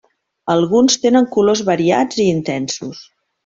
Alguns tenen colors variats i intensos.